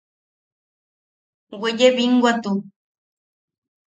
Weye binwatu.